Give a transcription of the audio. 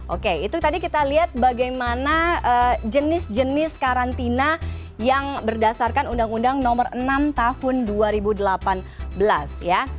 oke itu tadi kita lihat bagaimana jenis jenis karantina yang berdasarkan undang undang nomor enam tahun dua ribu delapan belas ya